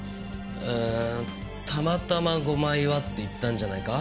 うーんたまたま「５枚は」って言ったんじゃないか？